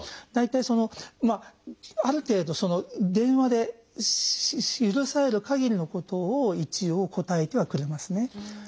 大体ある程度電話で許されるかぎりのことを一応答えてはくれますね。